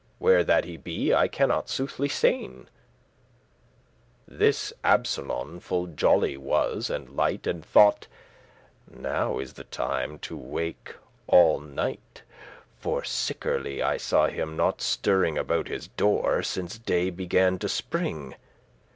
Where that he be, I cannot *soothly sayn.*" *say certainly* This Absolon full jolly was and light, And thought, "Now is the time to wake all night, For sickerly* I saw him not stirring *certainly About his door, since day began to spring.